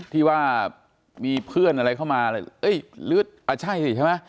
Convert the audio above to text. ที่ว่ามีเพื่อนอะไรเข้ามาเอ้ยฤทธิ์อ่ะใช่สิใช่ไหม